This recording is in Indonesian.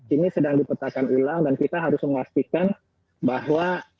ini sedang dipetakan ulang dan kita harus memastikan bahwa